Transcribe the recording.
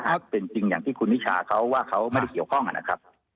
ถ้าเป็นจริงอย่างที่คุณนิชาเขาว่าเขาไม่ได้เกี่ยวข้องนะครับ